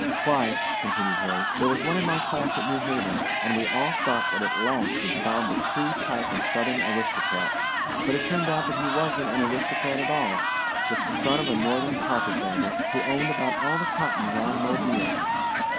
"Why," continued Harry, "if there was one in my class at New Haven, and we all thought that at last we'd found the true type of Southern aristocrat, but it turned out that he wasn't an aristocrat at all just the son of a Northern carpetbagger, who owned about all the cotton round Mobile."